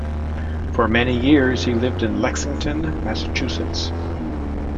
For many years, he lived in Lexington, Massachusetts.